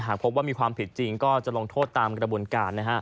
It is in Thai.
พบว่ามีความผิดจริงก็จะลงโทษตามกระบวนการ